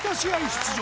出場